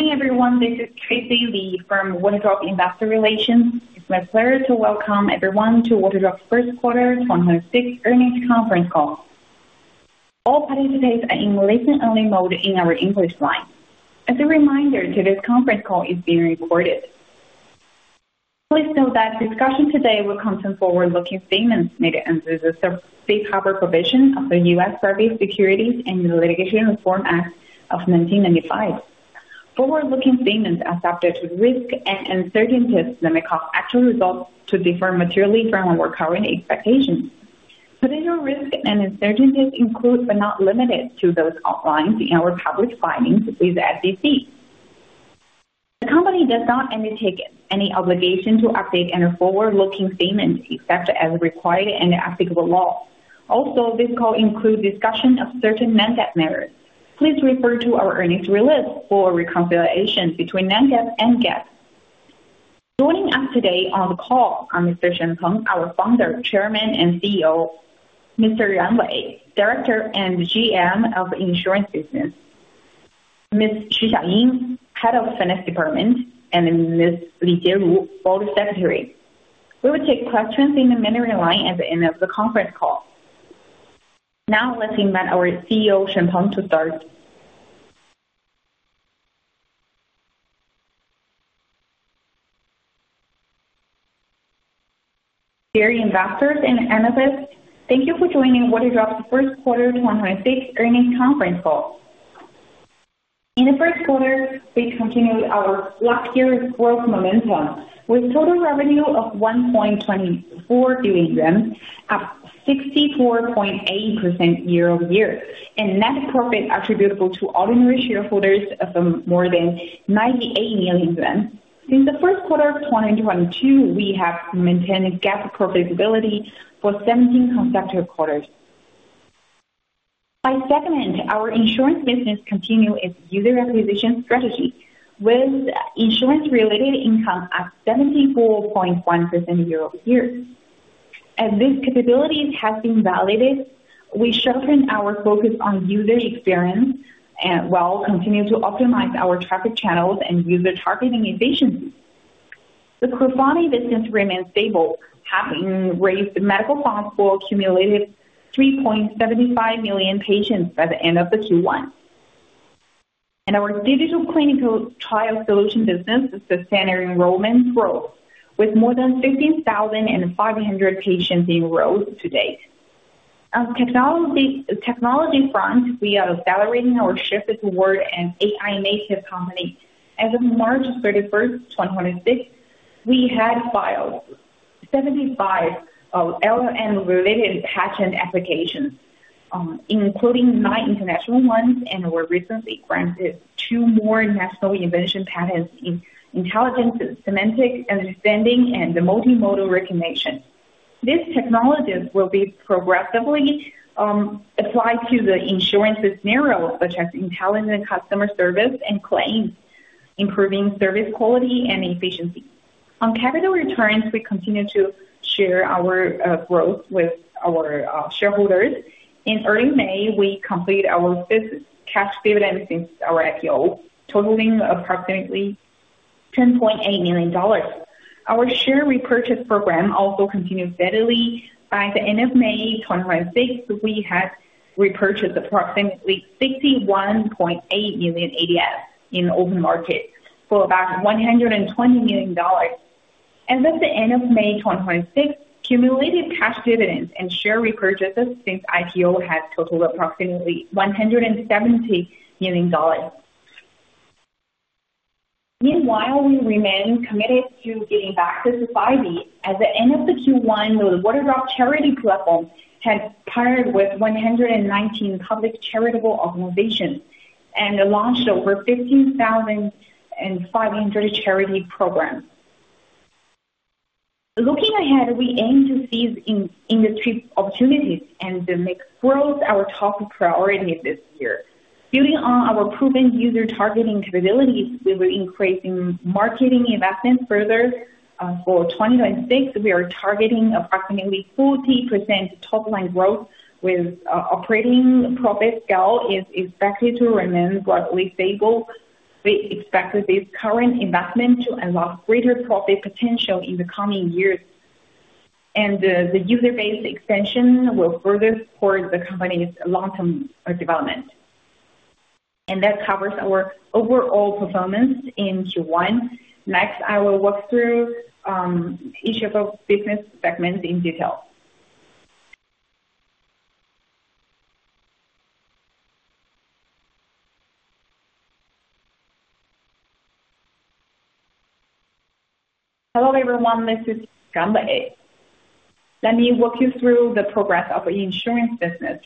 Good morning, everyone. This is Tracy Li from Waterdrop Investor Relations. It's my pleasure to welcome everyone to Waterdrop's First Quarter 2026 Earnings Conference Call. All participants are in listen-only mode in our English line. As a reminder, today's conference call is being recorded. Please note that discussion today will concern forward-looking statements made under the safe harbor provision of the Private Securities Litigation Reform Act of 1995. Forward-looking statements are subject to risks and uncertainties that may cause actual results to differ materially from our current expectations. Potential risks and uncertainties include, but are not limited to, those outlined in our public filings with the SEC. The company does not undertake any obligation to update any forward-looking statements except as required and applicable law. This call includes discussion of certain non-GAAP measures. Please refer to our earnings release for a reconciliation between non-GAAP and GAAP. Joining us today on the call are Mr. Shen Peng, our Founder, Chairman, and CEO; Mr. Wei Ran, Director and GM of Insurance Business; Ms. Xiaoying Xu, Head of Finance Department; and Ms. Li Jieru, Board Secretary. We will take questions in the Mandarin line at the end of the conference call. Now, letting our CEO, Shen Peng, to start. Dear investors and analysts, thank you for joining Waterdrop's First Quarter 2026 Earnings Conference Call. In the first quarter, we continued our last year's growth momentum with total revenue of 1.24 billion yuan, up 64.8% year-over-year, and net profit attributable to ordinary shareholders of more than 98 million yuan. Since the first quarter of 2022, we have maintained GAAP profitability for 17 consecutive quarters. By segment, our insurance business continue its user acquisition strategy with insurance-related income up 74.1% year-over-year. As these capabilities have been validated, we sharpen our focus on user experience while continuing to optimize our traffic channels and user targeting efficiency. The Crowdfunding business remains stable, having raised medical funds for accumulated 3.75 million patients by the end of the Q1. Our digital clinical trial solution business sustained enrollment growth, with more than 15,500 patients enrolled to date. On technology front, we are accelerating our shift toward an AI-native company. As of March 31st, 2026, we had filed 75 LLM-related patent applications, including nine international ones, and were recently granted two more national invention patents in intelligent semantic understanding and the multimodal recognition. These technologies will be progressively applied to the insurance scenario, such as intelligent customer service and claims, improving service quality and efficiency. On capital returns, we continue to share our growth with our shareholders. In early May, we completed our fifth cash dividend since our IPO, totaling approximately $10.8 million. Our share repurchase program also continued steadily. By the end of May 2026, we had repurchased approximately 61.8 million ADS in open market for about $120 million. As of the end of May 2026, cumulative cash dividends and share repurchases since IPO had totaled approximately $170 million. Meanwhile, we remain committed to giving back to society. At the end of the Q1, the Waterdrop charity platform had partnered with 119 public charitable organizations and launched over 15,500 charity programs. Looking ahead, we aim to seize industry opportunities and to make growth our top priority this year. Building on our proven user targeting capabilities, we were increasing marketing investments further. For 2026, we are targeting approximately 40% top-line growth, with operating profit scale is expected to remain broadly stable. We expect this current investment to unlock greater profit potential in the coming years, and the user base expansion will further support the company's long-term development. That covers our overall performance in Q1. Next, I will walk through each of those business segments in detail. Hello, everyone. This is Wei Ran. Let me walk you through the progress of our insurance business.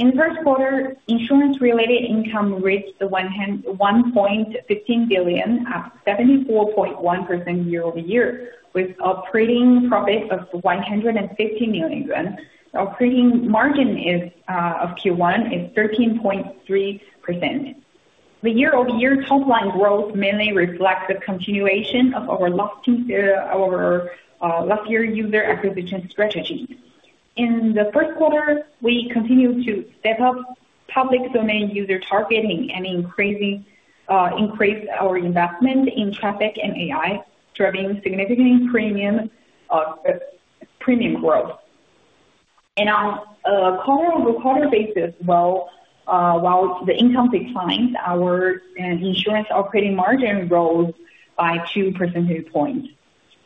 In first quarter, insurance-related income reached 1.15 billion, up 74.1% year-over-year, with operating profits of 150 million yuan. Our operating margin of Q1 is 13.3%. The year-over-year top-line growth mainly reflects the continuation of our last year user acquisition strategy. In the first quarter, we continued to step up public domain user targeting and increase our investment in traffic and AI, driving significant premium growth. On a quarter-over-quarter basis, while the income declined, our insurance operating margin rose by 2 percentage points.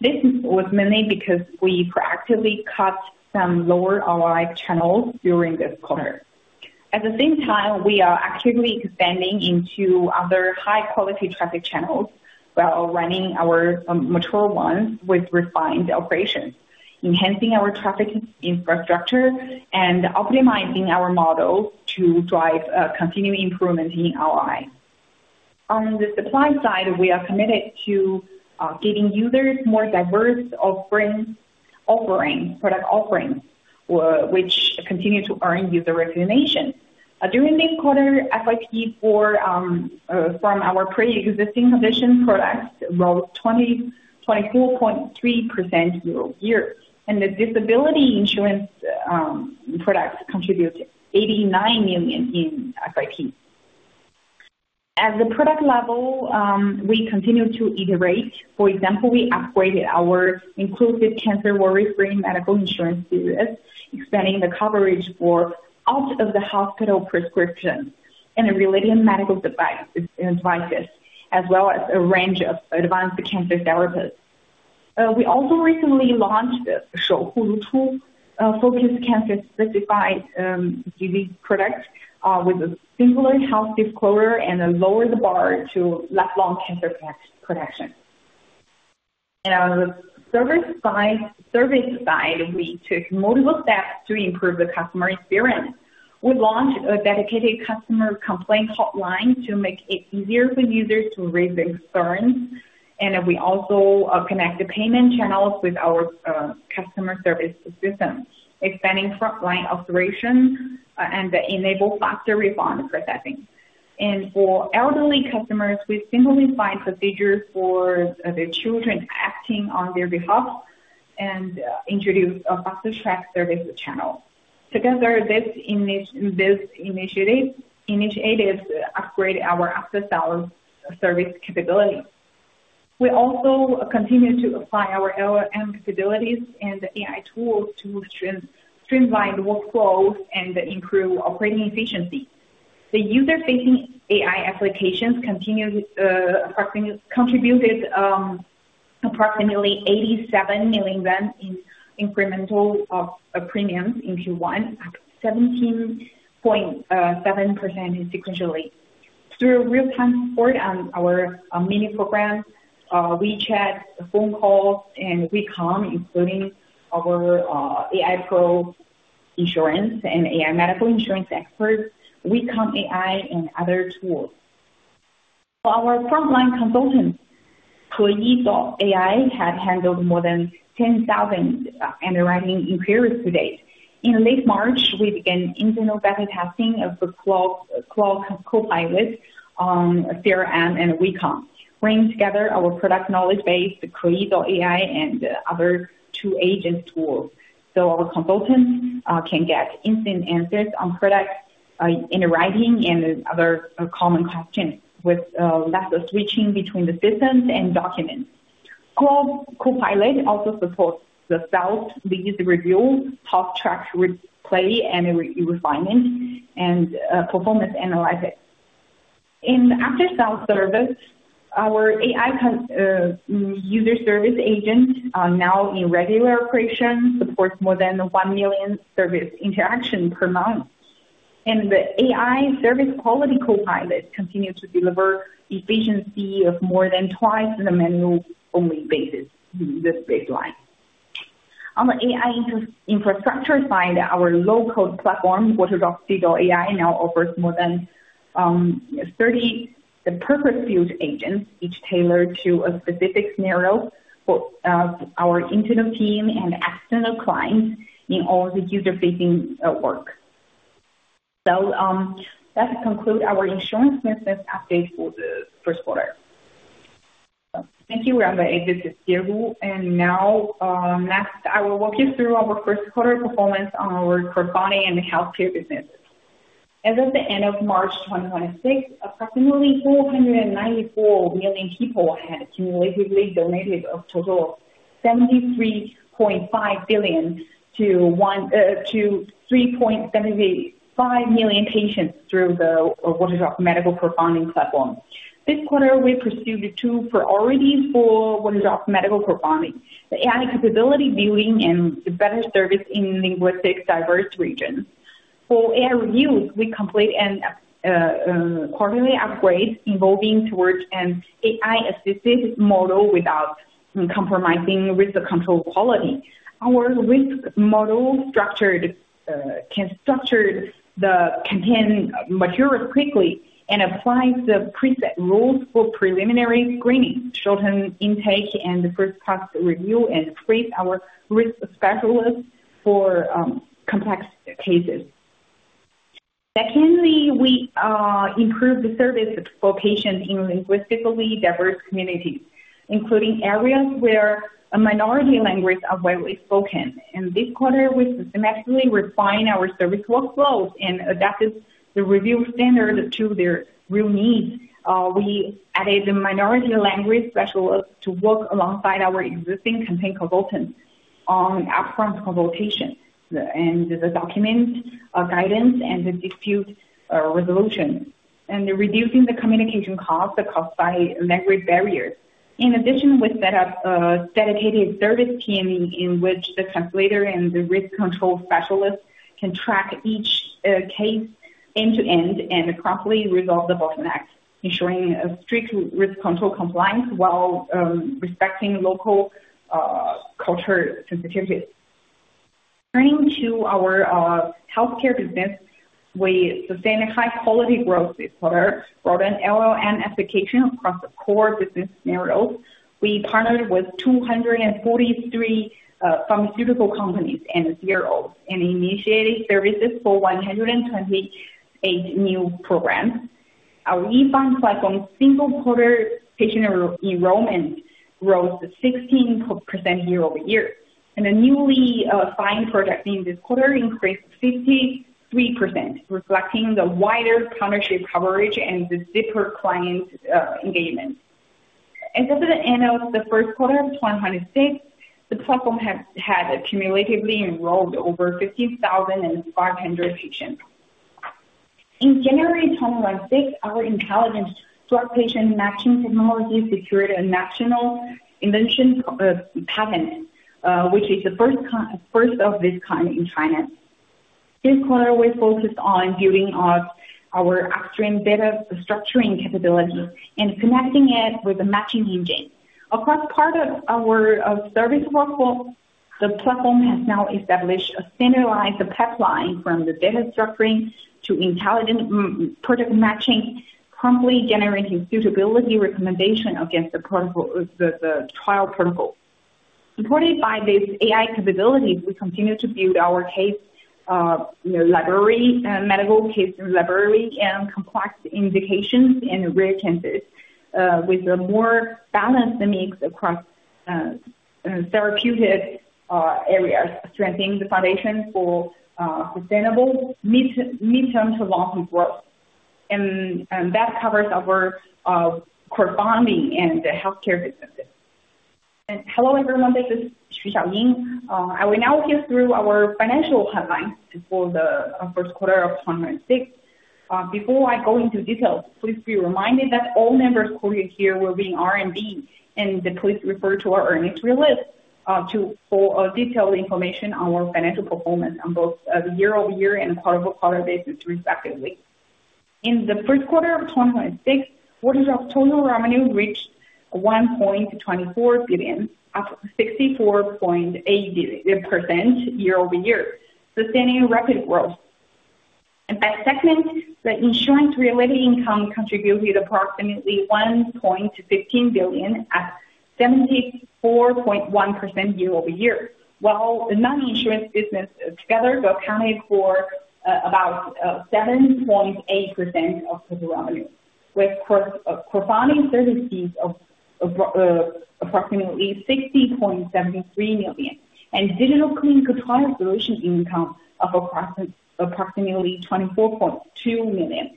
This was mainly because we proactively cut some lower ROI channels during this quarter. At the same time, we are actively expanding into other high-quality traffic channels while running our mature ones with refined operations, enhancing our traffic infrastructure, and optimizing our model to drive continued improvement in ROI. On the supply side, we are committed to giving users more diverse product offerings, which continue to earn user recognition. During the quarter, FYP from our pre-existing condition products rose 24.3% year-over-year, and the disability insurance products contributed RMB 89 million in FYP. At the product level, we continue to iterate. For example, we upgraded our inclusive cancer worry-free medical insurance business, expanding the coverage for out-of-the-hospital prescriptions and related medical devices, as well as a range of advanced cancer therapies. We also recently launched the focused cancer-specified disease product with a simpler health disclosure and a lower the bar to lifelong cancer protection. On the service side, we took multiple steps to improve the customer experience. We launched a dedicated customer complaint hotline to make it easier for users to raise concerns, and we also connected payment channels with our customer service system, expanding frontline operations and enabling faster refund processing. For elderly customers, we simplified procedures for their children acting on their behalf and introduced a faster track service channel. Together, these initiatives upgrade our after-sales service capability. We also continue to apply our LLM capabilities and AI tools to streamline the workflows and improve operating efficiency. The user-facing AI applications contributed approximately 87 million in incremental premiums in Q1, up 17.7% sequentially. Through real-time support on our mini programs, WeChat, phone calls, and WeCom, including our AI Insurance Expert and AI medical insurance experts, WeCom AI and other tools. For our frontline consultants, KEYI.AI had handled more than 10,000 underwriting inquiries to date. In late March, we began internal beta testing of the Call Copilot on CRM and WeCom, bringing together our product knowledge base, the KEYI.AI, and other two agent tools. Our consultants can get instant answers on products in writing and other common questions with lesser switching between the systems and documents. Call Copilot also supports the sales lead review, talk track replay and refinement, and performance analytics. In after-sale service, our AI user service agent, now in regular operation, supports more than 1 million service interactions per month, and the AI Service Quality Copilot continues to deliver efficiency of more than twice the manual-only basis, the baseline. On the AI infrastructure side, our low-code platform, Waterdrop CDAI, now offers more than 30 purpose-built agents, each tailored to a specific scenario for our internal team and external clients in all the user-facing work. That concludes our insurance business update for the first quarter. Thank you, Wei Ran. This is Yao Hu, now next I will walk you through our first quarter performance on our crowdfunding and healthcare businesses. As of the end of March 2026, approximately 494 million people had cumulatively donated a total 73.5 billion to 3.785 million patients through the Waterdrop Medical Crowdfunding platform. This quarter, we pursued two priorities for Waterdrop Medical Crowdfunding: the AI capability building and better service in linguistic diverse regions. For AI reviews, we complete and quarterly upgrade involving towards an AI-assisted model without compromising risk control quality. Our risk model can mature quickly and applies the preset rules for preliminary screening, shorten intake, and the first pass review, free our risk specialists for complex cases. Secondly, we improved the service for patients in linguistically diverse communities, including areas where a minority language are widely spoken. In this quarter, we systematically refined our service workflows and adapted the review standard to their real needs. We added a minority language specialist to work alongside our existing content consultants on upfront consultation and the document guidance and dispute resolution, reducing the communication caused by language barriers. In addition, we set up a dedicated service team in which the translator and the risk control specialist can track each case end to end and promptly resolve the bottleneck, ensuring a strict risk control compliance while respecting local culture sensitivities. Turning to our healthcare business, we sustained high quality growth this quarter, broaden LLM application across the core business areas. We partnered with 243 pharmaceutical companies and CROs and initiated services for 128 new programs. Our E-find platform single-quarter patient enrollment rose 16% year-over-year, the newly signed projects in this quarter increased 53%, reflecting the wider partnership coverage and the deeper client engagement. As of the end of the first quarter of 2026, the platform has cumulatively enrolled over 50,500 patients. In January 2026, our intelligent drug patient matching technology secured a national invention patent, which is the first of this kind in China. This quarter, we focused on building out our upstream data structuring capabilities and connecting it with the matching engine. Across part of our service workflow, the platform has now established a standardized pipeline from the data structuring to intelligent product matching, promptly generating suitability recommendation against the trial protocol. Supported by these AI capabilities, we continue to build our medical case library in complex indications and rare cancers, with a more balanced mix across therapeutic areas, strengthening the foundation for sustainable mid-term to long-term growth. That covers our crowdfunding and the healthcare businesses. Hello everyone, this is Xiaoying Xu. I will now walk you through our financial headlines for the first quarter of 2026. Before I go into details, please be reminded that all numbers quoted here will be RMB, and please refer to our earnings release for detailed information on our financial performance on both a year-over-year and quarter-over-quarter basis, respectively. In the first quarter of 2026, Waterdrop total revenue reached 1.24 billion, up 64.8% year-over-year, sustaining rapid growth. By segment, the insurance-related income contributed approximately 1.15 billion at 74.1% year-over-year, while the non-insurance business together accounted for about 7.8% of total revenue, with crowdfunding services of approximately 60.73 million and digital clinical trial solution income of approximately 24.2 million.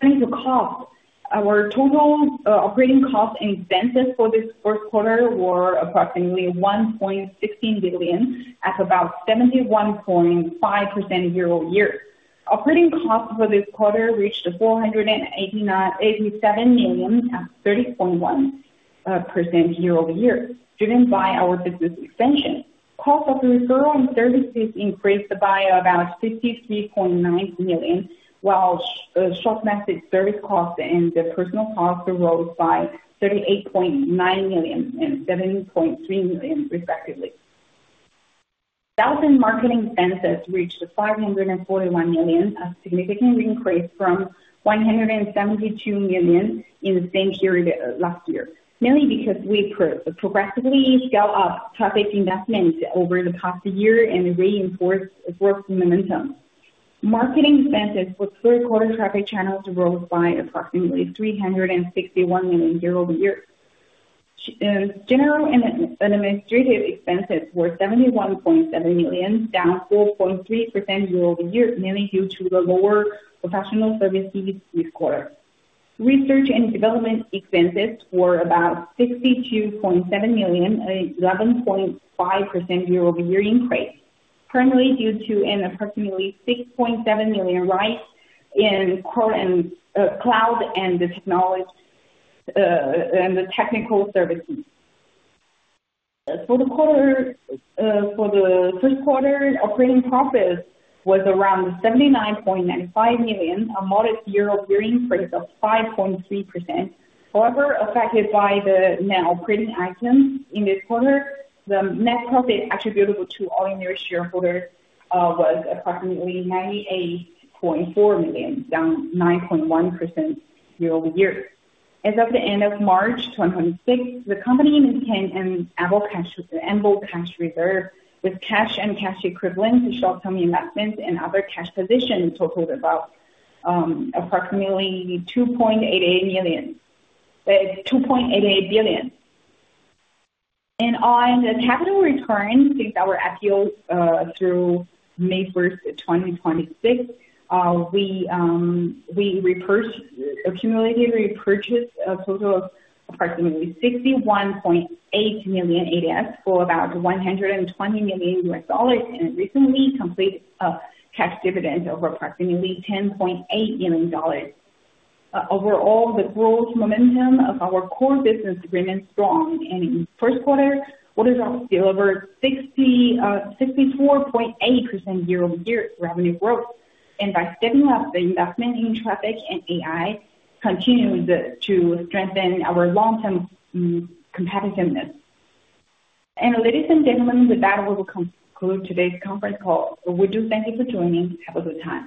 Turning to cost, our total operating costs and expenses for this first quarter were approximately 1.16 billion at about 71.5% year-over-year. Operating costs for this quarter reached 487 million, up 30.1% year-over-year, driven by our business expansion. Cost of referral and services increased by about 63.9 million, while short message service costs and personnel costs rose by 38.9 million and 7.3 million respectively. Sales and marketing expenses reached 541 million, a significant increase from 172 million in the same period last year, mainly because we progressively scale up traffic investments over the past year and reinforced momentum. Marketing expenses for third quarter traffic channels rose by approximately 361 million year-over-year. General and administrative expenses were 71.7 million, down 4.3% year-over-year, mainly due to the lower professional services this quarter. Research and development expenses were about 62.7 million, an 11.5% year-over-year increase, primarily due to an approximately 6.7 million rise in cloud and technical services. For the first quarter, operating profit was around 79.95 million, a modest year-over-year increase of 5.3%. Affected by the net operating items in this quarter, the net profit attributable to ordinary shareholders was approximately 98.4 million, down 9.1% year-over-year. As of the end of March 2026, the company maintained an ample cash reserve, with cash and cash equivalents, short-term investments, and other cash positions totaled approximately RMB 2.88 billion. On the capital return since our IPO through May 1st, 2026, we cumulatively repurchased a total of approximately 61.8 million ADS for about $120 million and recently completed a cash dividend of approximately $10.8 million. Overall, the growth momentum of our core business remains strong, and in the first quarter, Waterdrop delivered 64.8% year-over-year revenue growth. By stepping up the investment in traffic and AI, continues to strengthen our long-term competitiveness. Ladies and gentlemen, with that, we will conclude today's conference call. We do thank you for joining. Have a good time.